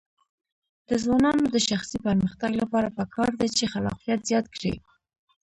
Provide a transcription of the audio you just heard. د ځوانانو د شخصي پرمختګ لپاره پکار ده چې خلاقیت زیات کړي.